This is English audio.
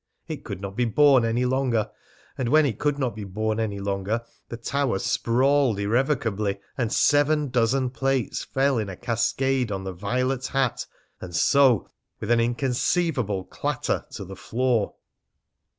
It could not be borne any longer, and when it could not be borne any longer, the tower sprawled irrevocably, and seven dozen plates fell in a cascade on the violet hat, and so, with an inconceivable clatter, to the floor.